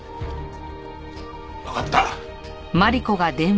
わかった。